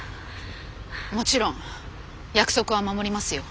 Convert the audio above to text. もちろん約束は守りますよ。